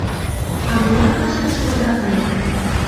— А молан пашаш ода кае?